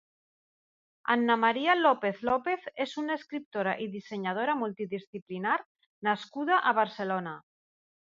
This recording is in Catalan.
Anna María López López és una escriptora i dissenyadora multidisciplinar nascuda a Barcelona.